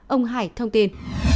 ông hải thông tin